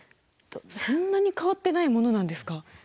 そんなに変わってないものなんですか。